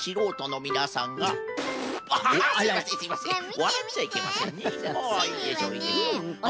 わらっちゃいけませんね。